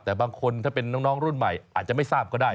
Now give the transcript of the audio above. แต่บางคนถ้าเป็นน้องรุ่นใหม่อาจจะไม่ทราบก็ได้